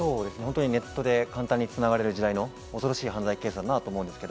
ネットで簡単に繋がれる時代の恐ろしい犯罪だと思っています。